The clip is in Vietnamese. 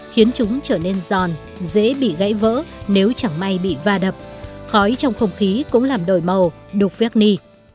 khiến chúng trở nên giòn dễ bị gãy vỡ nếu chẳng may bị va đập khói trong không khí cũng làm đổi màu đục phét ni